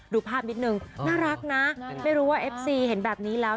ดูภาพนิดนึงน่ารักนะไม่รู้ว่าเอฟซีเห็นแบบนี้แล้ว